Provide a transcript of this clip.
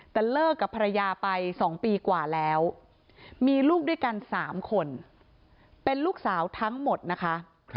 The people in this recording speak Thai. แต่เลิกกับภรรยาไป๒ปีกว่าแล้วมีลูกด้วยกัน๓คนเป็นลูกสาวทั้งหมดนะคะ